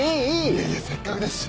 いやいやせっかくですし。